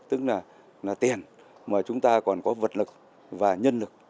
tức là tiền mà chúng ta còn có vật lực và nhân lực